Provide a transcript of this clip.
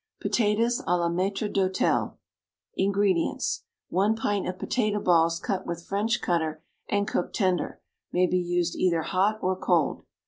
=Potatoes à la Maître d'Hôtel.= INGREDIENTS. 1 pint of potato balls, cut with French cutter, and cooked tender, may be used either hot or cold.